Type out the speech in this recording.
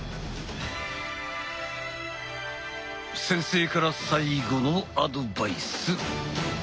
先生から最後のアドバイス！